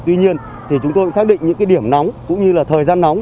tuy nhiên chúng tôi xác định những điểm nóng cũng như thời gian nóng